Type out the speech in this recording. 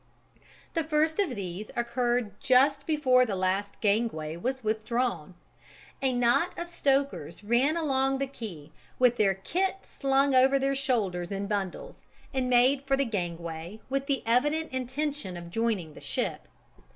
The first of these occurred just before the last gangway was withdrawn: a knot of stokers ran along the quay, with their kit slung over their shoulders in bundles, and made for the gangway with the evident intention of joining the ship.